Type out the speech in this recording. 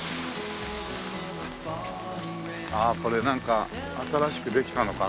これなんか新しくできたのかな？